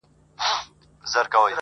هرچا ته ځکهیاره بس چپه نیسم لاسونه